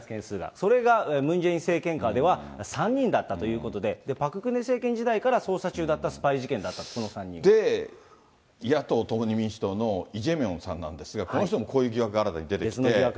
それがムン・ジェイン政権下では３人だったということで、パク・クネ政権時代から捜査中だったスパイ事件だった、野党・共に民主党のイ・ジェミョンさんなんですが、この人もこんな疑惑が出てきて。